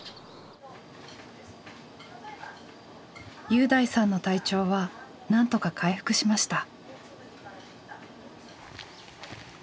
侑大さんの体調はなんとか回復しました。